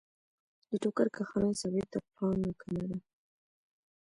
د ټوکر کارخانې ثابته پانګه کمه ده